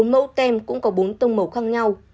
bốn mẫu tem cũng có bốn tông màu khác nhau